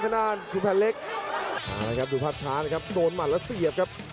แต่กรรมการบอกว่าเข้าให้นับไปเลยครับ